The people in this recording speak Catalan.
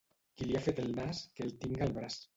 Qui li ha fet el nas, que el tinga al braç.